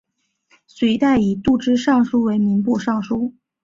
隋代以度支尚书为民部尚书。